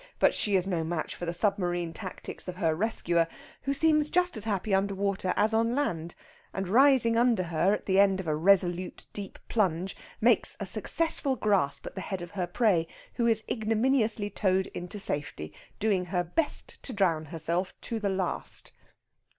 But she is no match for the submarine tactics of her rescuer, who seems just as happy under water as on land, and rising under her at the end of a resolute deep plunge, makes a successful grasp at the head of her prey, who is ignominiously towed into safety, doing her best to drown herself to the last.